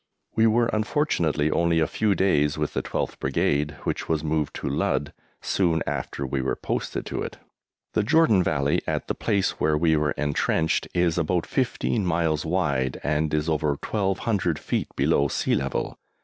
We were unfortunately only a few days with the 12th Brigade, which was moved to Ludd soon after we were posted to it. The Jordan Valley, at the place where we were entrenched, is about fifteen miles wide and is over 1,200 feet below sea level.